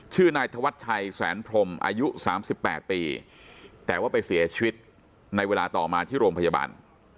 ชื่อนายธวัชชัยแสนพรมอายุ๓๘ปีแต่ว่าไปเสียชีวิตในเวลาต่อมาที่โรงพยาบาล